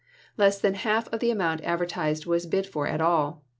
Less than half the amount adver tised was bid for at all.